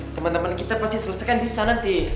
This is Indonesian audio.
temen temen kita pasti selesaikan bisa nanti